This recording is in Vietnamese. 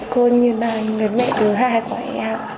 cô như là người mẹ thứ hai của em